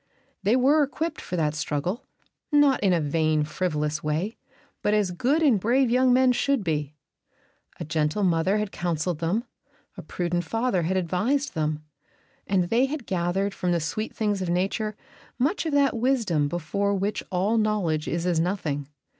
They were equipped for that struggle, not in a vain, frivolous way, but as good and brave young men should be. A gentle mother had counselled them, a prudent father had advised them, and they had gathered from the sweet things of Nature much of that wisdom before which all knowledge is as nothing.